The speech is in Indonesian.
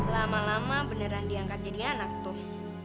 lama lama beneran diangkat jadi anak tuh